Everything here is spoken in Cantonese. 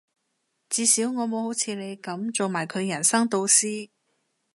至少我冇好似你噉做埋佢人生導師